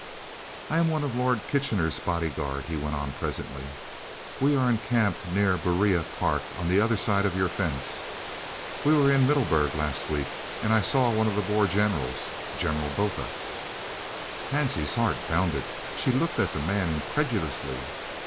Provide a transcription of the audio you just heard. "I am one of Lord Kitchener's body guard," he went on presently. "We are encamped near Berea Park on the other side of your fence. We were in Middelburg last week and I saw one of the Boer Generals, General Botha." Hansie's heart bounded. She looked at the man incredulously.